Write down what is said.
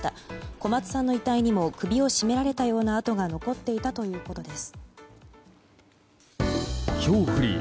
小松さんの遺体にも首を絞められたような痕が残っていたということです。